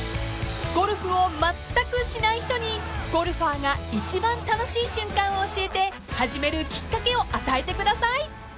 ［ゴルフをまったくしない人にゴルファーが一番楽しい瞬間を教えて始めるきっかけを与えてください］